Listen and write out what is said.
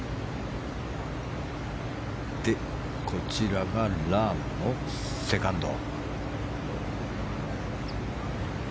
こちらがラームのセカンド。